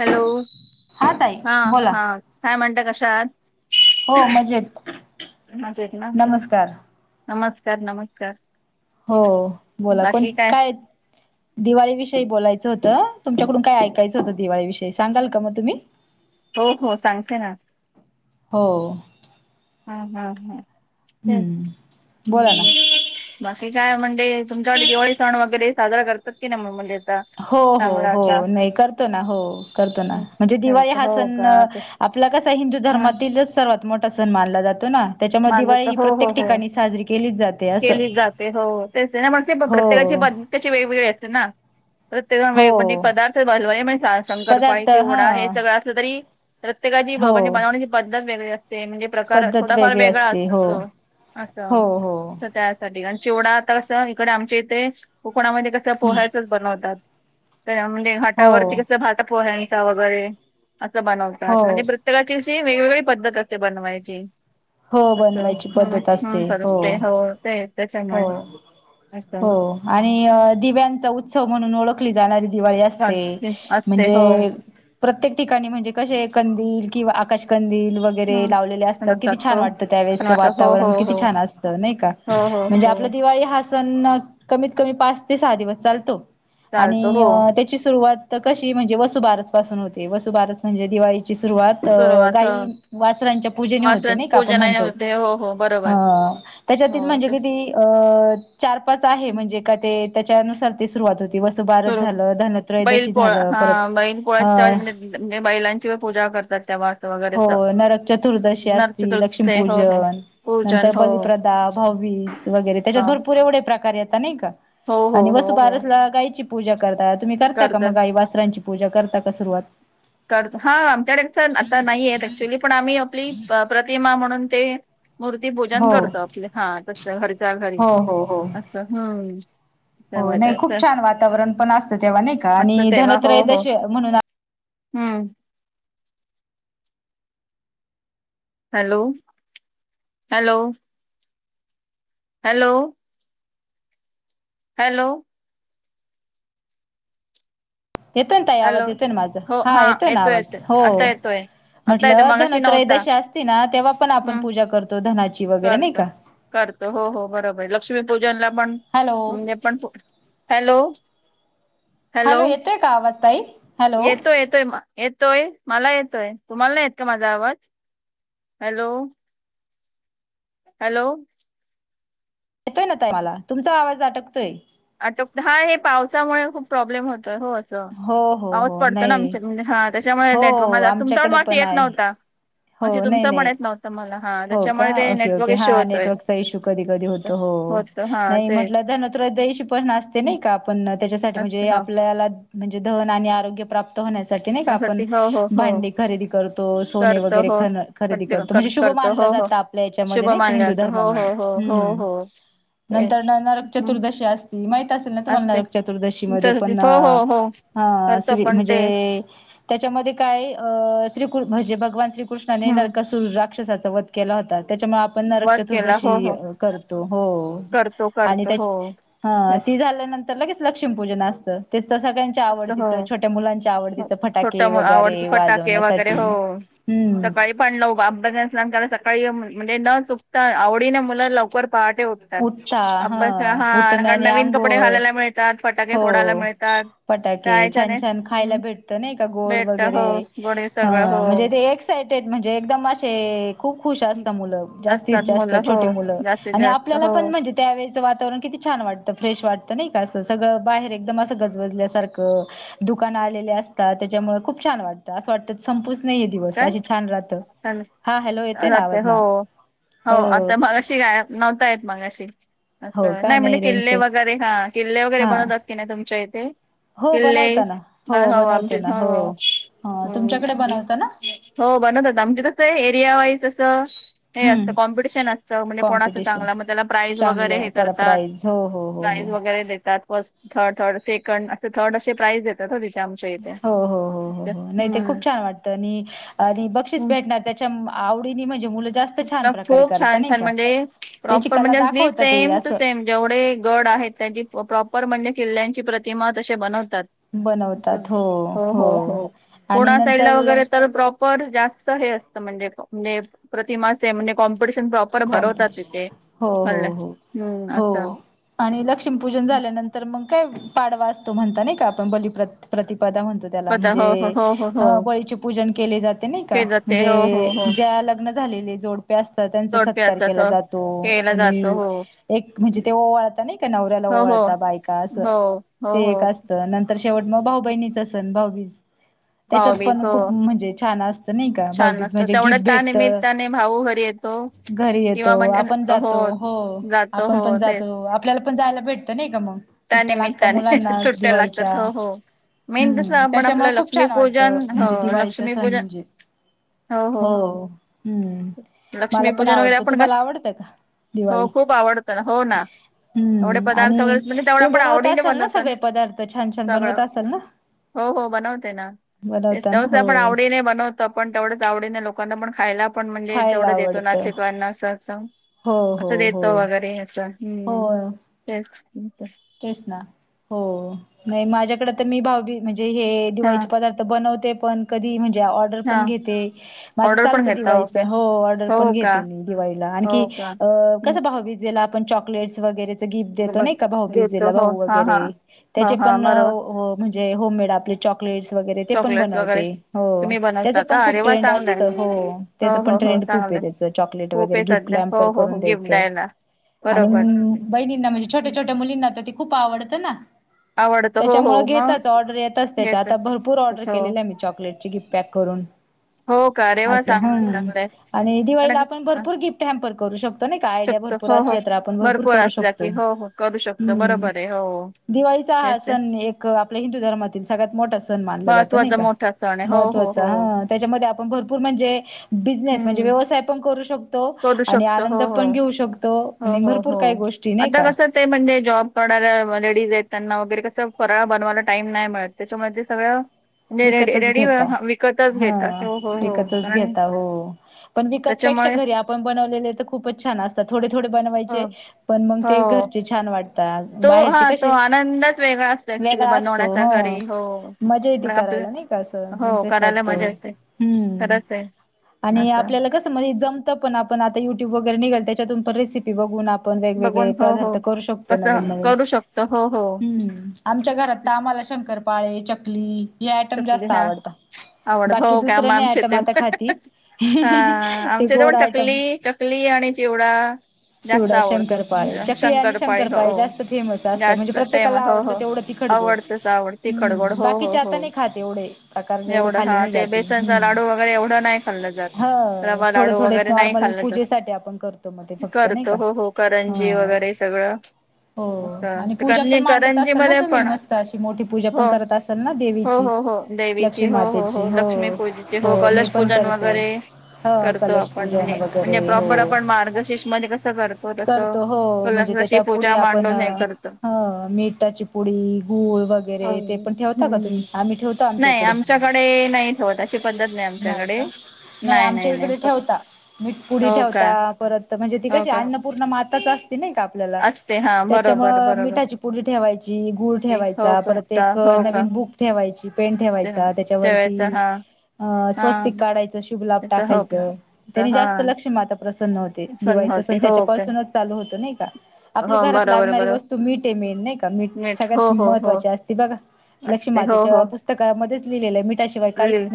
Hello ताई हा बोला हा काय म्हणत कशात हो मजेत मजत ना नमस्कार नमस् सर नमस्कार हो तेच बोला कोण काय दिवाळी विषयी बोलायचं होतं तुमच्याकडून काय ऐकायचं होतं दिवाळीविषयी सांगाल का मग तुम्ही हो हो सांगते ना हो हा हा हा ते हम्म हम् बोला ना बाकी काय म्हणजे तुमच्याकडे दिवाळी सण वगैरे साजरा करतात की ना म्हणजे आता हो हो चांगला हो असा नाही करतो ना हो करतो ना हम्म. म्हणजे दिवाळी त्याचं हा हो सण का आपला कसा हिंदू ह धर्मातीलच सर्वात मोठा सण मानला जात त्याच्यामुळे माझं दिवाळी तर ही हो हो प्रत्येक हो ठिकाणी साजरी केली जाते अस केली जाते हो तेच आहे ना पण ते प्रत्येकाची बदतीचे वेगवेगळे येत ना तर ते म्हे हो पदार्थ बवले म्ह शंकरपाळी पदार्थ हा चिवडा हे सगळं असलं तरी प्रत्येकाची म्हणजे हो बनवण्याची पद्धत वेगळी असते म्हणजे प्रकार पद्धत थोडा फार वेगळी वेगळा असते हो असतो हो हो अस त्यासाठी आणि चिवडा आता इकडे आमच्या इथे कोकणामध्ये कसं हम्म पोहळ्याचच बनवतात म्हणजे हो हाटावरती कसलं भात पोह्यासा वगैरे असं हो बनवतात म्हणजे प्रत्येकाची शी वेगवेगळी पद्धत असते बनवायची हो अस बनवायची ह पद्धत असते सल अस ते हो ते त्याच्यामुळे हो हो असं आणि दिव्यांचा उत्सव म्हणून ओळखली जाणारी दिवाळी असते घाल- असते हो. म्हणजे प्रत्येक ठिकाणी म्हणजे क कंद किंवा आकाशकंधी वगैरे लावलेले हम्म असतात किती लक्षात हो छान वाटतं पण त्यावेेळेच वाट हो हो वातावरण किती हो छान असतं नाही का हो हो म्हणजे आपला हो दिवाळी हा सण कमीत कमी पाच ते सहा दिवस चालतो चालतो आणि हो त्याची सुरुवात कशी म्हणजे वसुबारस पासून होते वसुबारस म्हणजे दिवाळी रुवात सुरुवात हो. गाच्या पूजेने होते वासरांची नाही का आपण पूजा म्हणतो होते हो हो बरोबर त्याच्या हो म्हणजे ते क अ चार पाच आहे म्हणजे का ते त्याच्यानुसार ते सुरुवात हो बैल पोळ झालं हा परत बैल अ पोळ्यात म्हणजे म्हजे बैलांची पूजा करतात तेव्हा असं वगैरे हो असं नरक चतुर्दशी नरक असतील चतुर्थी हो हो लक्ष्मीपूजन पूजन नंतर हो बलिप्रदा भव्य वर त्याच्यात हा भरपूर एव प्रेत नाही का हो हो आणि हो हो वला गयची पूजा करता तुम्ही करता का करतात मग आई वासरांची पूजा करता का सुरुवात करतो हा आमच्या टच आता नाही आहेत ऍक्च्युली पण आम्ही आपली प्रतिमा म्हणून ते मूर्ती पोजन हो करतो आपले हा तस हरीचा घरी हो हो हो असं हम्म हो त्यामुळे नाही खूप तर छान वातावरण पण असतं तेव्हा नाही का असत आणि तेव्हा हो हो धनोत्रयदश म्हणून हम्म हॅलो हॅलो हॅलो हॅलो येतोय ताई हॅलो आवाज येतोय माझ हो हा येतोय येतो आवाज येतो हो आता येतोय आता येतो म्हटलं मगाशी नव्हता धनोत्रयदशी असती ना तेव्हा पण आपण पूजा करतो धनाची वगैरे नाही का करत हो हो बरोबर लक्ष्मीपूजनला पण हॅलो म्हणजे पण हॅलो हॅलो येतोय का आवाज ताई हॅलो येतो येतोय म येतोय मला येतोय तुम्हाला ना येत का माझा आवाज हॅलो हॅलो येतोय ना त मला तुमचा आवाज अटकतोय आता हा हे पावसामुळे खूप प्रॉब्लेम होत हो असं हो हो पाऊस हो पडतो ना नाही आमच्या म्हणजे हा त्याच्यामुळे हो नेटवर्क म तुमचा पण आमच्याकडे मात येत आहे नव्हता म हो नाही तुमचं पण नाही येत नव्हतं मला हा हो का त्याच्यामुळे ते ओके नेटवर्क ओके हा इश्यू होतोय नेटवर्कचा इश्यू कधी कधी होतो हो होत हा नाही तेच म्हटलं धनत्रयोदशी पण असते नाही का आपण त्याच्यासाठी असते म्हणजे हो आपल्याला म्हणजे धन आणि आरोग्य प्राप्त होण्या नाही का आपण त्यासाठी हो हो हो भांडी खरेदी करतो सोने करतो वगैरे हो खरेदी करतो म्हणजेुभन हो हो जात आपल्या याच्यामध्ये शुभ नाही मानलं हिंदू जातं धर्म हो म्हण हो हो हो ह् हो नंतर तेच नरक चतुर्दशी असती माहित असेल ना तुम्हाला असते नरक चतुर्दशी म पण हो हो हो हा करतो श्री पण म्हणजे तेच त्याच्यामध्ये काय अ श्रीकृ म्हजे भगवान श्रीकृष्णाने हम्म नरकसूर राक्षसाचा वध केला होताात त्याच्यामुळे आपण नरक वध केला हो चतुर्दशी हो करतो हो करतो आणि करतो हो त्या तेच ती झाल्यानंतर लगेच लक्ष्मीपूजन असतं तेच तर सगळ्यांच्या आवडतीचं छोट्या मुलांच्या हो आवडतीचं छोट फटाके आवडत वगैरे फटाके वगैरे वाजवण्यासाठी हो हम्म सकाळी पण लव अब्ब असलामला सकाळी म्हणजे न चुकता आवडीने मुलं लवकर पहाटे उठतात उठता अभ्यास हा उठण आणिण आणि नवीन कपडे आंघोळ घालायला मिळतात फटाके फोडायला हो मिळतात फटाके त्या छान याच्याने छान खायला भेटत नाही का गोड भेट वगैरे हो गोडे ह सगळं म्हणजे हो. ते एक साईड ते म्हणजे एकदम असे खप खुश असत मु जास्तीत असतात जास्त मुलं हो छोटे मुलं जास्तीत आणि जास्त आपल्याला हो पण म्हणजे त्यावेळेच वातावरण किती छान वाटतं फ्रेश वाटतं नाही का असं सगळ बाहेर एकदम अस गजबजल्यासारखं दुकान आलेली असतात त्याच्यामुळे खूप छान वाटतं अस वाटत संपूच नाही दिवस काय अशी छान राहतं, हा हॅलो येतोय ना जाते आवाज हो मॅम? हो आता मगाशी गाय नव्हता येत मगाशी हो असं का नाही म्हणजे किल्ले रेंजच वगैरे हा किल्ले वगैरे हा बनवतात की नाही तुमच्या इथे? [inaudible] हो बनवता ना हो बनवतो ना हो ह तुमच्याकडे बनवता ना हो बनवतात ना आमची तस आहे एरिया वाईज असं हे असतं हम्म कॉम्पिटिशन असतं म्हणजे कोणाचं कॉम्पिटिशन चांगलं मग त्याला प्राईज वगैरे हे चांगलं त्याला करतात प्राईज हो हो हो प्राईज हो वगैरे देतात फर्स्ट थर्ड थर्ड सेकंड असे थर्ड असे प्राइज देतात आमच्या इथे. हो हो हो हो हो नाही ते हम्म खूप छान वाटतं आणि बक्षीस हम्म भेटणार त्याच्या आवडी म्हणजे मुलं जास्त छान प्रकारे खूप करता छान नाही छान का म्हणजे त्याची प्रॉपर कला म्हणजे दाखवतात ते सेम टू असं सेम जेवढे गड त्यां प्रॉपर म्हणजे किल्ल्यांची प्रितीमा तसे बन बनवतात हो हो आणि नंतर [inaudible] [inaudible] प्रॉपर भरवतात कॉम्पिटिशन तिथे हो हो म्हटल हो हम्म अस हो आणि लक्ष्मीपूजन झाल्यानंतर मग काय पाडवा असतो म्हणता नाही का आपण बलिप प्रत [inaudible] पदा हो हो हो हो हो केलं जाते हो हो हो झाले जोडपे असतात त्यांच जोडपे असतात हो जातो केला जातो आणि हो एक म्हणजे ते ओवाळता नाही का नवऱ्याला हो हो ओवाळता बायकास हो. हो ते हो एक असतं नंतर शेवट मग भाऊ बहिणीच सन भाऊबीज त्याच्यात भाऊबीज पण हो खूप म्हणजे छान असतं नाही का छान भाऊबीज असतं म्हणजे तेवढं गिफ्ट त्या भेटत निमित्ताने भाऊ घरी येतो घरी येतो किंवा म्हणजे आपण जातो हो जातो आपण हो पण ते जातो आपल्याला पण जायला भेटत नाही का मग त्या सुट्ट्या लागत निमित्ताने मुलांना सुट्ट्या दिवाळीच्या लागतात हो हो मेन कसं हम्म आपण त्याच्यामुळं आपलं खूप छान लक्ष्मीपूजन वाटतं हो म्हणजे दिवाळीचा सण लक्ष्मीपूजन म्हणजे हो हम्म मला पण लक्ष्मीपूजन वगैरे आवडत आपण तुम्हाला कस आवडत का हो दिवाळी खूप आवडतं ना. हो ना तेवढे हम्म पदार्थ आणि? वगैरे म्हणजे तेवढं तुम्ही आपण बनवत आवडीने असाल ना बनवतो सगळे पदार्थ छान छान सगळं बनवत असाल ना हो हो बनवते ना ते बनवता ना तेव पण हो आवडीने बनवतो पण तेवढंच आवडीने लोकांना पण खायला खायला आवडतं हो हो हो हो [inaudible] [inaudible] तेच ना हो नाही माझ्याकडे तर मी भाऊ म्हणजे हा दिवाळी पदार बनते पण कधी ऑर्डर हा पण घेते माझं ऑर्डर पण चालतं घेता दिवाळीच ओके हो ऑर्डर पण हो का घेते मी दिवाळीला आणखी हो का अ हम्म, कसं भाऊबीजेला आपण चॉकलेट्स वगैरेच गिफ्ट म्हणजे देतो बघ नाही का भाऊबी देतो हो भाऊ हा वगैरे हा हो त्याचे हा पण बरोबर वव म्हणजे होममेड आपले चाॅ क्लेचस वगैरे पण चॉकलेट वगैरे बनवते हो तुम्ही त्याच बनवता पण का अरे खूप वा ट्रेंड असत चांगलंय हो त्याच हो पण हो हो ट्रेंड खूप आहे चांगलंय त्याच चॉकलेट खूप वगैरे आहे गिफ्ट सध्या लॅम्पर हो हो करून हो गिफ्ट द्यायचं द्यायला आणि बरोबर बहिणींना म्हणजे छोट्या हम्म, छोट्या मुलींना तर ते खूप आवडतं ना आवडतं हो त्याच्यामुळे हो मग घेताच ऑर्डर येतच त्याच्या घेत आता भरपूर ऑर्डर अच्छा केलेली आहे मी चॉकलेट ची गिफ्ट पॅक करून हो का रे वा अस चांगलं हम्म चांगलंय आणि दिवाळीला पण आपण भरपूर गिफ्ट हॅमपर करू शकतो ना काय आयडॅ शकतो भरपूर हो हो असल्या तर आपण भरपूर करू असला शकतो की हो हो करू शकतो हम्म बरोबर आहे हो दिवाळीचा हा तेच तेच सण एक आपल्या हिंदू धर्मातील सगळ्यात मोठा सण मानला जातो नाही महत्त्वाचा का मोठा सण आहे हो हो महत्वाचा हो हा त्याच्यामध्ये आपण भरपूर म्हणजे बिझणेस हम्म व्यवसाय पण करू शकतो करू आणि शकतो आनंद हो हो पण घेऊ शकतो आणि भरपूर काही गोष्टी नाही का से म्हणडे जॉब करणाऱ्या लेडीज आहेत त्यांना वगैरे कसं फराळ बनवायला टाइम नाही मिळत त्याच्यामुळे ते सगळं म्हणजे रेडी विकतच रेडी घेता विकतच हा घेतात हो हो हो विकतच कारण घेता हो पण विकत पेक्षा त्याच्यामुळे घरी आपण बनवलेले तर खूपच छान असतात थोडे थोडे बनवायचे हो पण मग ते हो घरचे छान वाटते तो हा बाहेरचे तो कसे आनंदच वेगळा असतो ऍक्च्युली वेगळा असतो बनवण्याचा हो घरी हो. मजा येत पण आपलं करायला नाही का असं हो इंटरेस्ट करायला वाटतो मजा येते हम्म खरंच आहे आणि असं आपल्याला कसं म्हणजे जमत पण आपण आता युट्यूब वगैरे निघेल त्याच्यातून पण रेसिपी बघून आपण आपण बघून वेगवेगळे हो पदार्थ हो. करू शकतो कसं नवीन नवीन करू शकतो हो हो ह्म आमच्या घरात तर आम्हाला शंकर पाळे चकली हे आयटम जास्त आवडतात आवडत हो बाकी का आ मा दुसरं नाही आमचे आयटम ते आता खाती हा ते आमच्या इथ गोड पण आयटम चकली चकली आणि चिवडा जास्त चिवडा आवडतो शंकरपाळे चकले आणि शंकरपाळी हो शंकरपाळे जास्त फेमस असतात म्हणजे जास्त प्रत्येकाला फेमस हो आवडतं हो. तेवढं तिखड आवडतच आवड तिखट गोड हम्म हो बाकी हो चात हो. खा तेवढे प्रकार एवढे एवढं खाल्ले हा नाही ते जात हम बेसनचा लाडू वगैरे एवढं नाही खाल्लं जात हं रवा थोडे लाडू थोडे वगैरे नाही नॉर्मल खाल्लं जात. पूजेसाठी आपण करतो मग ते फक्त नाही का करतो हो हो करंजी वगैरे सगळं हो आणि पूजा पण करंजी मांडत करंजी असाल ना मध्ये तुम्ही पण मस्त अशी मोठी पूजा पण हो करत असाल ना देवीची हो हो हो देवीची लक्ष्मी हो मातेची हो लक्ष्मीपूजेची हो मी कलश पण पूजन करते वगैरे ह करतो आपण कलशपूजन म्हणजे वगैरे म्हणजे हो प्रॉपर आपण मार्गशीर्ष मध्ये कसं तसं करतो हो म्हणजे कशी त्याच्या पुढे पूजा आपण मांडून हे करतो मीठाची पुडी गूळ हो वगैरे ते पण ठेवता का तुम्ही हम्म आम्ही ठेवतो आमच्या नाही इकडे आमच्याकडे नाही ठेवत अशी पद्धत नाही आमच्याकडे नाही आमच्या इकडे ठेवता मीठ पुुडी हो का ठेवता परत म्हणजे ती हो कशी का अन्नपूर्ण माताच असती नाही का आपल्याला असते हा बरोबर त्याच्यामुळ बरोबर मिठाची पुडी ठेवायची गुळ हो ठेवायचा का परत चा- एक हो का नवीन बुक ठेवायची पेंन ते ठेवायचा त्यावेळेच त्याच्यावरती हा अ हा स्वस्तिक काढायचं शुभ लाभ त्याच हो काय टाकायचं त्यानी हा जास्त लक्ष्मी माता प्रसन्न होते दिवाळीचा होते सण हो त्याच्या काय पाासूनच चालू होतो नाही का आपली हो घरात बरोबर लागणारी बरोबर वस्तू मीठे मेन नाही का मीठ सगळ्यात हो हो हो महत्वाची असते बघा लक्ष्मी मातेच्या पुस्तकामध्येच लिहिलेलय ल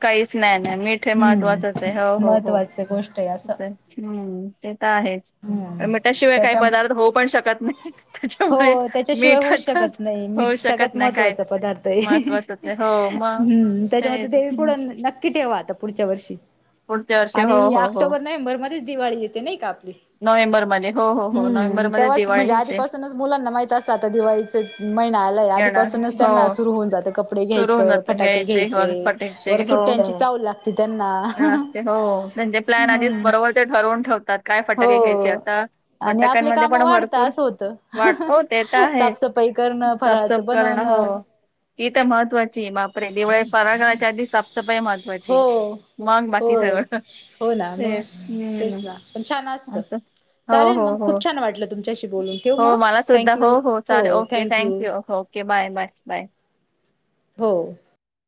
काहीच नाही नाही मीठ हे महत्वाचच हम्म आहे हो हो हो महत्त्वाच गोष्ट आहे असं हम्म ते तर आहेच हम्म मीठाशिवाय काही त्याच्या पदार्थ होऊ पण शकत नाही त्याच्यामुळे हो त्याच्याशिवाय मीठ होऊच आता शकत नाही मीठ सगळ्यात महत्वांच चपतातय आहे हो मग ते त्याच्यामध्ये दे पुढ नक्की ठेवा पुढच्या वर्षी पुढच्या वर्षी आणि हो या हो हो ऑक्टोबर नोव्हेंबर मध्येच दिवाळी येते नाही का आपली नोव्हेंबरमध्ये हो हो हो हम्म नोव्हेंबरमध्ये तेव्हाच म्हणजे दिवाळी येते आधीपासूनच मुलांना माहित असतं आता दिवाळीच महिना आला आदी येणार पासूनच हो त्यांना सुरू होऊन जातं कपडे सुरू होऊन घ्यायचं जात फटाके हो घ्यायचे फटायचे बरं हो हो सुट्ट्यांची चावल लागते त्यांना हो त्यांचे प्लॅन आधीच हम्म बरोबर ते ठरवून ठेवतात काय फटाके घ्यायचे हो आता आणि फटक आपले कमध्ये काम पण वाढता भरपूर असं होतं वाटेत आहे साफसफाई करणं साफसफ फराळाचं बनवणं करणं त तर महत्वाची बापरे दिवाळी फरागराच्या आधी साफ सफाई महत्वा हो हो हो ना मग तेच हम्म तेच ना पण अ मस्त असं हो चालेल हो मग खूप हो छान वाटलं तुमच्याशी बोलून ठेव हो मग मला सुद्धा थँक्यू हो चालेल okay thank you okay bye bye bye हो